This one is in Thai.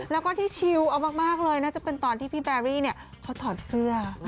แล้วก็ที่ชิลเอามากเลยน่าจะเป็นตอนที่พี่แบรี่เขาถอดเสื้อ